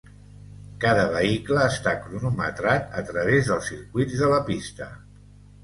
Cada vehicle està cronometrat a través dels circuits de la pista.